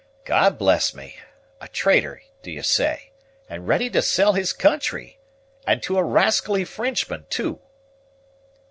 God bless me! a traitor, do you say, and ready to sell his country, and to a rascally Frenchman too?"